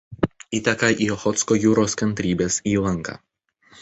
Įteka į Ochotsko jūros Kantrybės įlanką.